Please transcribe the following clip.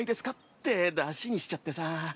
ってダシにしちゃってさ。